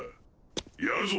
やるぞ。